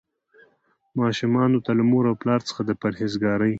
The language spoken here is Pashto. ماشومانو ته له مور او پلار څخه د پرهیزګارۍ.